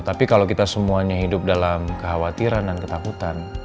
tapi kalau kita semuanya hidup dalam kekhawatiran dan ketakutan